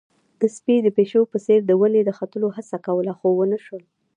سپي د پيشو په څېر په ونې د ختلو هڅه کوله، خو ونه شول.